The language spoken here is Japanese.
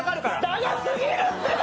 長過ぎるってば！